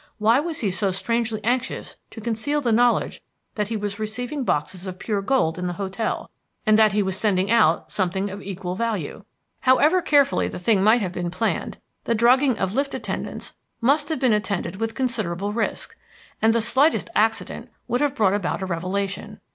Why was he so strangely anxious to conceal the knowledge that he was receiving boxes of pure gold in the hotel, and that he was sending out something of equal value? However carefully the thing might have been planned the drugging of lift attendants must have been attended with considerable risk. And the slightest accident would have brought about a revelation.